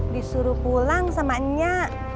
disuruh pulang sama nya